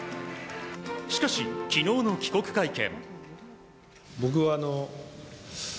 しかし、昨日の帰国会見。